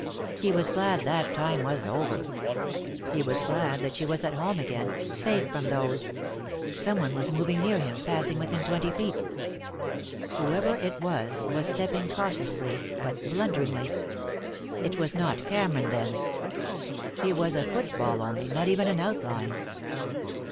He was glad that time was over. He was glad that she was at home again, safe from those Some one was moving near him, passing within twenty feet. Whoever it was was stepping cautiously but blunderingly. It was not Cameron, then. He was a footfall only, not even an outline.